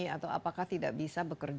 atau apakah tidak bisa bekerja